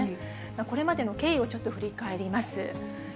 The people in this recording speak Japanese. これまでの経緯をちょっと振り返ります。